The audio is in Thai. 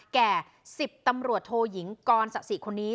แก่๑๐ตำรวจโทยิงกรสะสิคนนี้